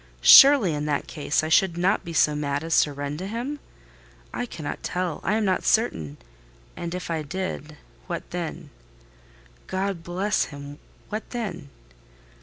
Surely, in that case, I should not be so mad as to run to him? I cannot tell—I am not certain. And if I did—what then? God bless him! What then?